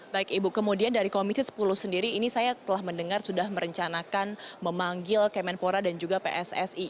baik ibu kemudian dari komisi sepuluh sendiri ini saya telah mendengar sudah merencanakan memanggil kemenpora dan juga pssi